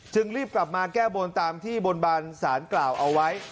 รีบกลับมาแก้บนตามที่บนบานสารกล่าวเอาไว้